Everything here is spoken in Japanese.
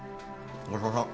ごちそうさん。